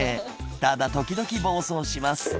「ただ時々暴走します」